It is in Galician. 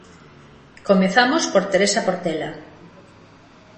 Comezamos por Teresa Portela.